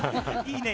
いいね。